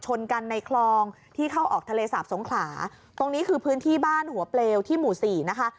ชนกันในคลองที่เข้าออกทะเลสาบสงขลาตรงนี้คือพื้นที่บ้านหัวเปลวที่หมู่สี่นะคะ